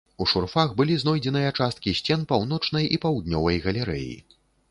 У шурфах былі знойдзеныя часткі сцен паўночнай і паўднёвай галерэі.